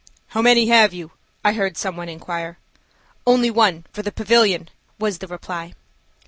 "How many have you?" I heard some one inquire. "Only one, for the pavilion," was the reply.